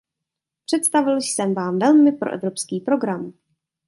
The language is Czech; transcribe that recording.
Představil jsem vám velmi proevropský program.